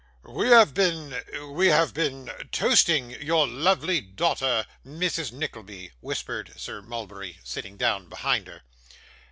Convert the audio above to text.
'We have been we have been toasting your lovely daughter, Mrs Nickleby,' whispered Sir Mulberry, sitting down behind her.